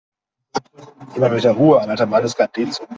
Immer mit der Ruhe, ein alter Mann ist kein D-Zug.